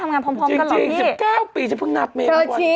เท็นที่พวกเราก็เป็น๒๙ปี